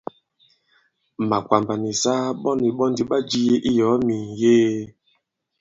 Màkwàmbà nì saa ɓɔ nì ɓɔ ndì ɓa jie i yɔ̀ɔ mì mìyee.